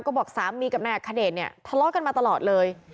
ก็บอกสามีกับนายอัคเดชเนี่ยทะเลาะกันมาตลอดเลย